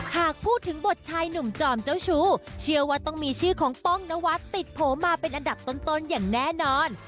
หากพูดถึงบทชายหนุ่มจอมเจ้าชู้เชื่อว่าต้องมีชื่อของป้องนวัดติดโผล่มาเป็นอันดับต้นอย่างแน่นอน